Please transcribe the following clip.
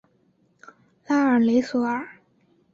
拉尔雷索尔。